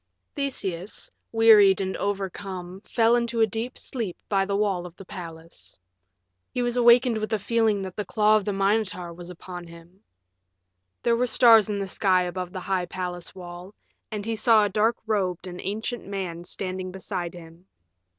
VI Theseus, wearied and overcome, fell into a deep sleep by the wall of the palace. He awakened with a feeling that the claw of the Minotaur was upon him. There were stars in the sky above the high palace wall, and he saw a dark robed and ancient man standing beside him.